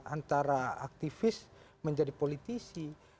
antara aktivis menjadi politisi